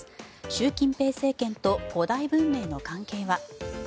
習近平政権と古代文明の関係は。